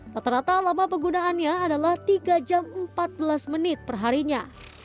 rata rata lama penggunaannya adalah tiga jam empat belas menit perharinya